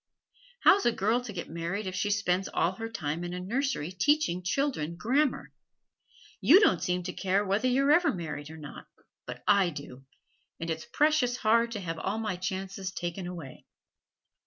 How's a girl to get married if she spends all her time in a nursery teaching children grammar? You don't seem to care whether you're ever married or not, but I do, and it's precious hard to have all my chances taken away.